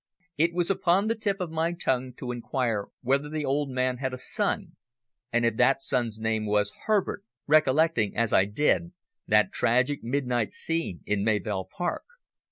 It was upon the tip of my tongue to inquire whether the old man had a son, and if that son's name was Herbert, recollecting, as I did, that tragic midnight scene in Mayvill Park.